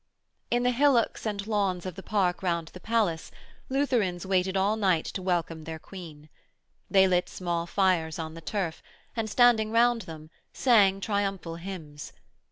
In the hillocks and lawns of the park round the palace Lutherans waited all night to welcome their Queen. They lit small fires on the turf and, standing round them, sang triumphal hymns.